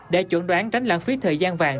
để chuẩn đoán tránh lãng phí thời gian vàng